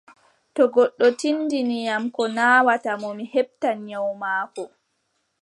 To goddo tinndini am ko naawata mo, mi heɓtan nyawu maako.